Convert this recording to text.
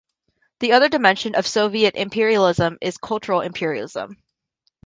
The other dimension of "Soviet imperialism" is cultural imperialism.